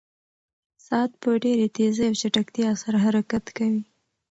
ساعت په ډېرې تېزۍ او چټکتیا سره حرکت کوي.